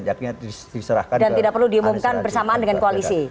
dan tidak perlu diumumkan bersamaan dengan koalisi